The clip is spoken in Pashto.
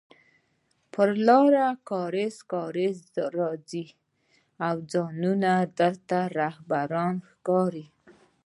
پر لار کاږه کاږه ځئ او ځانونه درته رهبران ښکاري